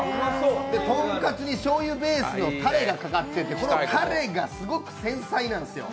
とんかつにしょうゆベースのたれがかかってて、このたれがすごく繊細なんですよ。